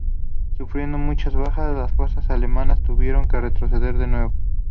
Sufriendo muchas bajas, las fuerzas alemanas tuvieron que retroceder de nuevo.